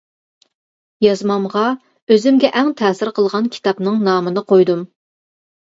يازمامغا ئۆزۈمگە ئەڭ تەسىر قىلغان كىتابنىڭ نامىنى قويدۇم.